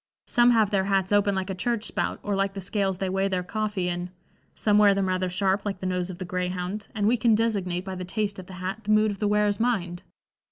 Some have their hats open like a church spout or like the scales they weigh their coffee in; some wear them rather sharp like the nose of the greyhound, and we can designate by the taste of the hat the mood of the wearer's mind.